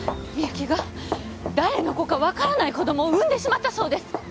みゆきが誰の子か分からない子供を産んでしまったそうです